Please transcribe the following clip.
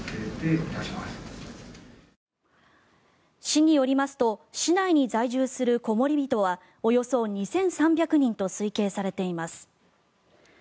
市によりますと市内に在住するこもりびとはおよそ２３００人と推計されています。